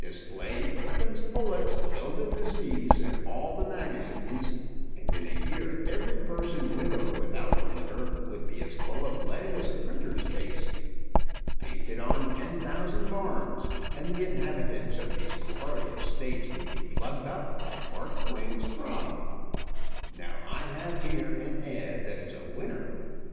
Display 'Perkins's Bullets Kill the Disease' in all the magazines, and in a year every person with or without a liver would be as full of lead as a printer's case. Paint it on ten thousand barns, and the inhabitants of these glorious States would be plugged up like Mark Twain's frog. Now I have here an ad. that is a winner.